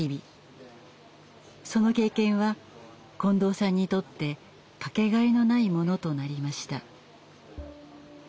その経験は近藤さんにとって掛けがえのないものとなりました。